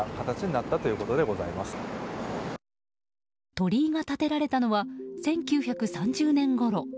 鳥居が建てられたのは１９３０年ごろ。